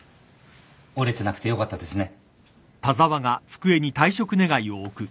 折れてなくてよかったですね。